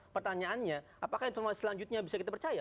pertanyaannya apakah informasi selanjutnya bisa kita percaya